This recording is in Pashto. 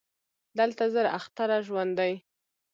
دلته زر اختره ژوند دی